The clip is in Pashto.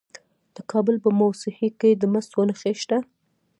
د کابل په موسهي کې د مسو نښې شته.